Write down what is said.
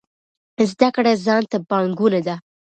زده کړه ځان ته پانګونه ده